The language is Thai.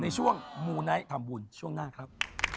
ในช่วงมูไนท์ทำบุญช่วงหน้าครับ